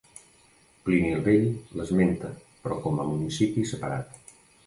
Plini el Vell l'esmenta però com a municipi separat.